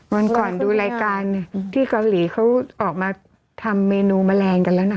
วันก่อนดูรายการที่เกาหลีเขาออกมาทำเมนูแมลงกันแล้วนะ